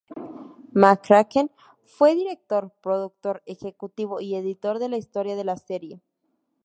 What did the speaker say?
McCracken fue director, productor ejecutivo y editor de la historia de la serie.